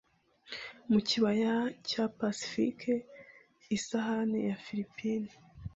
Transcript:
mu kibaya cya pasifika Isahani ya Filipine